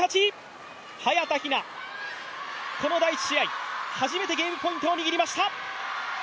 早田ひな、この第１試合、初めてゲームポイントを握りました。